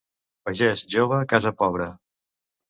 Pagès jove, casa pobra.